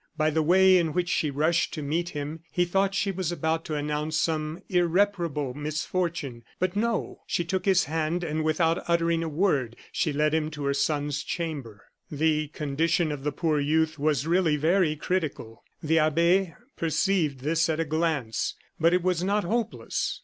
By the way in which she rushed to meet him, he thought she was about to announce some irreparable misfortune. But no she took his hand, and, without uttering a word, she led him to her son's chamber. The condition of the poor youth was really very critical; the abbe perceived this at a glance, but it was not hopeless.